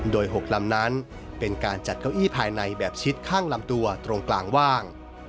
โดย๖ลำนั้นเป็นการจัดเก้าอี้ภายในแบบชิดข้างลำตัวตรงกลางว่าง